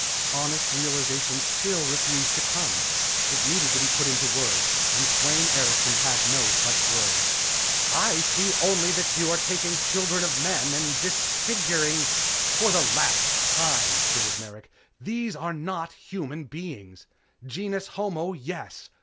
Honest realization still refused to come. It needed to be put into words, and Sweyn Erikson had no such words. "I see only that you are taking children of men and disfiguring " "For the last time," gritted Merrick, "These are not human beings. Genus homo, yes.